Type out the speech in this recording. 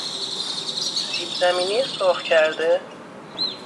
سیبزمینی سرخ کرده